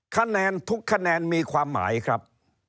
คะแนนทุกคะแนนมีความหมายครับ